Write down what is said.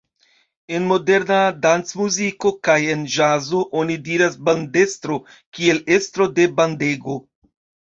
En moderna dancmuziko kaj en ĵazo oni diras bandestro kiel estro de bandego.